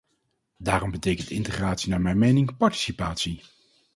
Daarom betekent integratie naar mijn mening participatie.